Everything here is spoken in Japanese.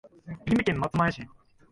愛媛県松前町